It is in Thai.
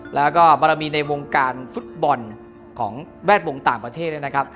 แล้วก็บารมีในวงการฟุตบอลของแวดวงต่างประเทศเนี่ยนะครับ